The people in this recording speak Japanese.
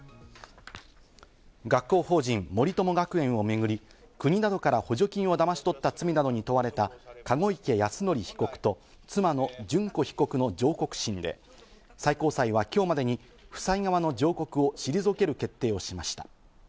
学校法人森友学園をめぐり、国などから補助金をだまし取った罪などに問われた籠池泰典被告と妻の諄子被告の上告審で、最高裁は今日までに夫妻側の上告を退ける決定をしました。